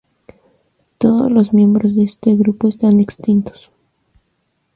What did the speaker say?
Todos los miembros de este grupo están extintos.